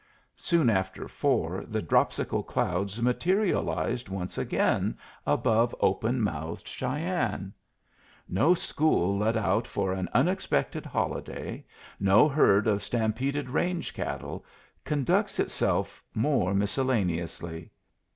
Soon after four the dropsical clouds materialized once again above open mouthed Cheyenne. No school let out for an unexpected holiday, no herd of stampeded range cattle, conducts itself more miscellaneously.